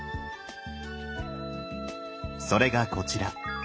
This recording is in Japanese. それがこちら。